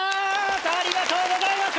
ありがとうございます。